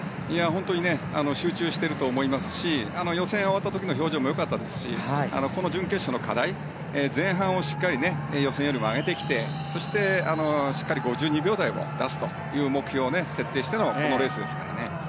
集中していると思いますし予選が終わった時の表情もよかったですしこの準決勝の課題前半をしっかり予選よりも上げてきてそして、しっかり５２秒台を出すという目標を設定してのこのレースですからね。